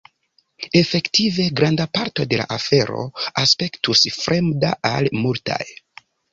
Efektive granda parto de la afero aspektus fremda al multaj.